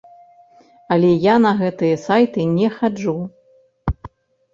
Але я на гэтыя сайты не хаджу.